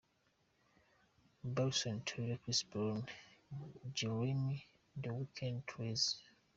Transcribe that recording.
Bryson Tiller Chris Brown Jeremih The Weeknd Tyrese.